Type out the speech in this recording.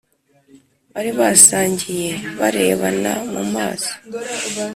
Bari basangiye barebana mu maso,